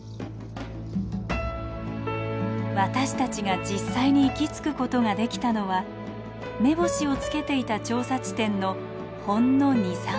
私たちが実際に行き着くことができたのは目星をつけていた調査地点のほんの２３割です。